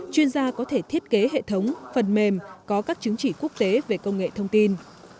chuyên gia có thể thiết kế hệ thống phần mềm có các chứng chỉ quốc tế về công nghệ thông tin